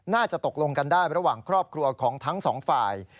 น่าจะตกลงกันได้ระหว่างครอบครัวของทั้งสองฝ่าย